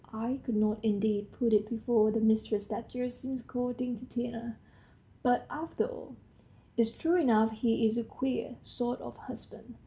I could not, indeed, put it before the mistress that Gerasim's courting Tatiana. But, after all, it's true enough; he's a queer sort of husband.